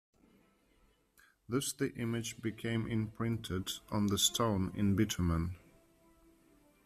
Thus the image became imprinted on the stone in bitumen.